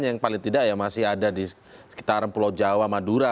yang paling tidak ya masih ada di sekitar pulau jawa madura